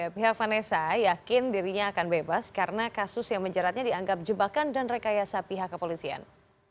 pihak vanessa yakin dirinya akan bebas karena kasus yang menjeratnya dianggap jebakan dan rekayasa pihak kepolisian